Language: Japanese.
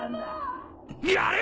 やれ！